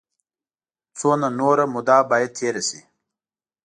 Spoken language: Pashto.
څومره نوره موده باید تېره شي.